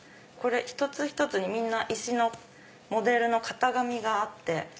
一つ一つにみんな石のモデルの型紙があって。